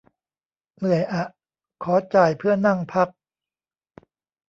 เหนื่อยอะ ขอจ่ายเพื่อนั่งพัก